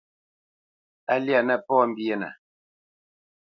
A lyá nə pɔ̌ mbyénə.